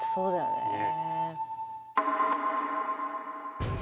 ねえ。